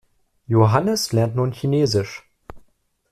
Johannes lernt nun Chinesisch.